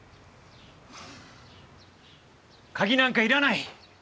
鍵なんか要らない。